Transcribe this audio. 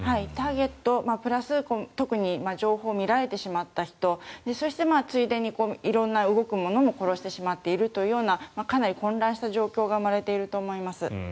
ターゲットプラス情報を見られてしまった人そしてついでに色んな動くものも殺してしまっているというようなかなり混乱した状況が生まれていると思います。